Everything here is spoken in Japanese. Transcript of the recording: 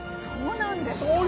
そうなんですか？